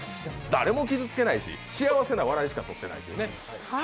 誰も傷つけないし幸せな笑いしかとってない。